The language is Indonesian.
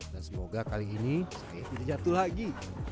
dan semoga kali ini saya tidak jatuh lagi